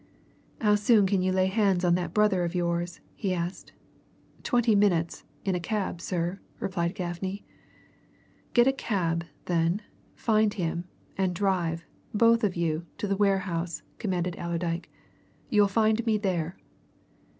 "How soon can you lay hands on that brother of yours?" he asked. "Twenty minutes in a cab, sir," replied Gaffney. "Get a cab, then, find him, and drive, both of you, to the warehouse," commanded Allerdyke. "You'll find me there."